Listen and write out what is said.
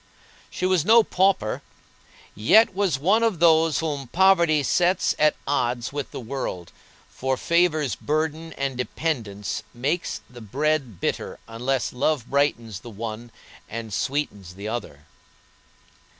She was no pauper, yet was one of those whom poverty sets at odds with the world, for favors burden and dependence makes the bread bitter unless love brightens the one and sweetens the other.